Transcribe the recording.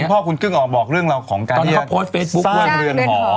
แต่คุณพ่อคุณกึ้งออกบอกเรื่องเราของการที่สร้างเรือนหอ